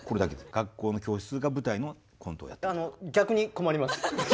学校の教室が舞台のコントをやって頂く。